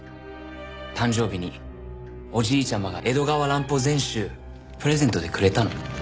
誕生日におじいちゃまが「江戸川乱歩全集」プレゼントでくれたの。